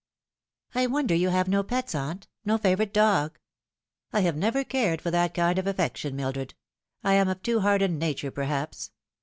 " I wonder you have no pets, aunt no favourite dog." " I have never cared for that kind of affection, Mildred. I am of too hard a nature, perhaps.